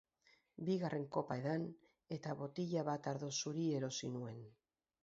Bigarren kopa edan, eta botila bat ardo zuri erosi nuen.